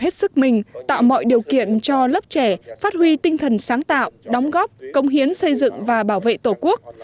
tạo mọi điều kiện cho lớp trẻ phát huy tinh thần sáng tạo đóng góp công hiến xây dựng và bảo vệ tổ quốc